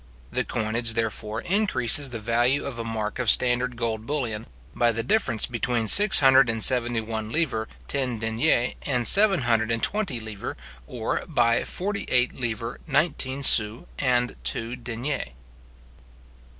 The coinage, therefore, increases the value of a mark of standard gold bullion, by the difference between six hundred and seventy one livres ten deniers and seven hundred and twenty livres, or by forty eight livres nineteen sous and two deniers.